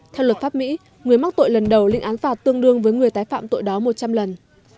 theo luật pháp mỹ người mắc tội lần đầu lịnh án phạt tương đương với người tái phạm tội đó một trăm linh lần